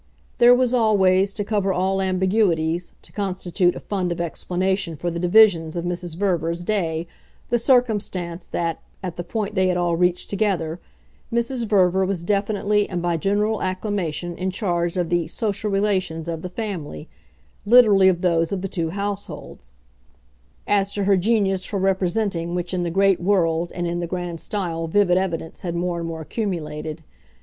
There was always, to cover all ambiguities, to constitute a fund of explanation for the divisions of Mrs. Verver's day, the circumstance that, at the point they had all reached together, Mrs. Verver was definitely and by general acclamation in charge of the "social relations" of the family, literally of those of the two households; as to her genius for representing which in the great world and in the grand style vivid evidence had more and more accumulated.